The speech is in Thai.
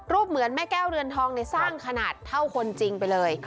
เหมือนแม่แก้วเรือนทองในสร้างขนาดเท่าคนจริงไปเลย